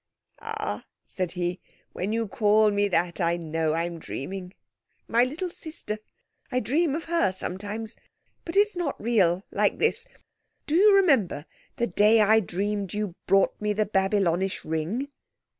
"Ah," said he, "when you call me that, I know I'm dreaming. My little sister—I dream of her sometimes. But it's not real like this. Do you remember the day I dreamed you brought me the Babylonish ring?"